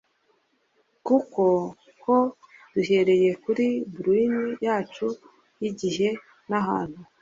Kuri tho duhereye kuri bourne yacu yigihe nahantu